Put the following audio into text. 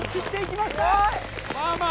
まあまあ。